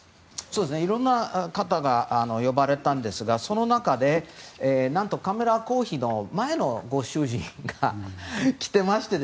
いろんな方が呼ばれたんですがその中で、何とカミラ王妃の前のご主人が来ていまして。